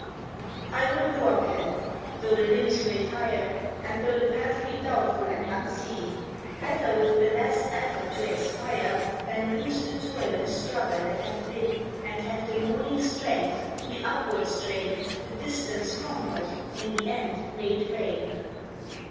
I will go up then, though the limbs may tire, And though the path be doubtful and unseen ; Better with the last effort to expire Than lose the toil and struggle that have been, And have the morning strength, the upward strain, The distance conquered, in the end made vain.